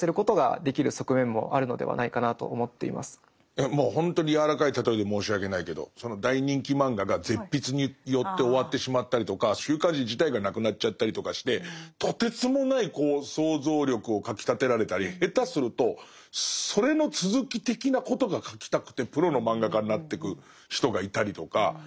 むしろもうほんとに柔らかい例えで申し訳ないけどその大人気漫画が絶筆によって終わってしまったりとか週刊誌自体がなくなっちゃったりとかしてとてつもない想像力をかきたてられたり下手するとそれの続き的なことが書きたくてプロの漫画家になってく人がいたりとか。